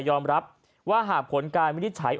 ยอมรับว่าหากผลการวินิจฉัย